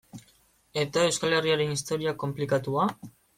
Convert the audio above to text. Eta Euskal Herriaren historia konplikatua?